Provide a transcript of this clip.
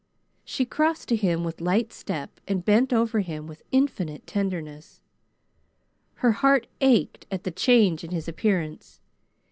She crossed to him with light step and bent over him with infinite tenderness. Her heart ached at the change in his appearance.